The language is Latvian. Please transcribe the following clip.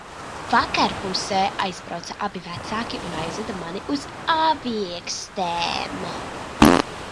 "Vakarpusē atbrauca abi vecāki un aizveda mani uz "Aviekstēm"."